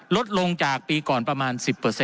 ลดลงจากปีก่อนประมาณ๑๐